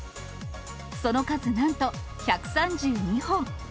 その数なんと１３２本。